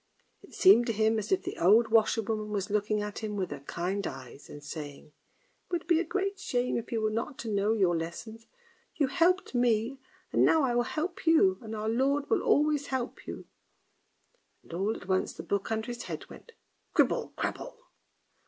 It seemed to him as if the old washerwoman was looking at him with her kind eyes and saying: " It would be a great shame if you were not to know your lesson. You helped me, and now I will help you, and Our Lord will always help you." And all at once the book under his head went " cribble, crabble."